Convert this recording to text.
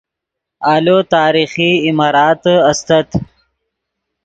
آلو تاریخی عماراتے استت